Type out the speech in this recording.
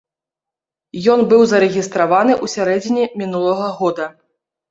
Ён быў зарэгістраваны ў сярэдзіне мінулага года.